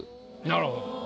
なるほど。